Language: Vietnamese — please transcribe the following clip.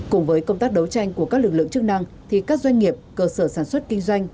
cùng với công tác đấu tranh của các lực lượng chức năng thì các doanh nghiệp cơ sở sản xuất kinh doanh